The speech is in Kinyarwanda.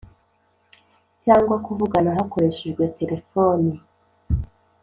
cyangwa kuvugana hakoreshejwe terefoni.